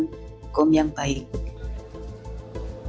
kepala sekolah yang bertanggung jawab di lingkup sekolah tersebut